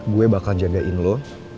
gue bakal jagain lo